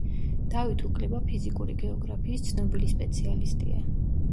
დავით უკლება ფიზიკური გეოგრაფიის ცნობილი სპეციალისტია.